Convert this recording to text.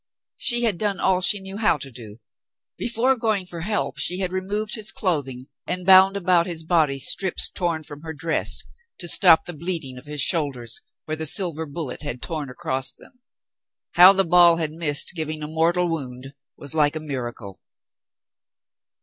She had done all she knew how to do. Before going for help she had removed his clothing and bound about his body strips torn from her dress to stop the bleeding of his shoulders where the silver bullet had torn across them. How the ball had missed giving a mortal wound was like a miracle.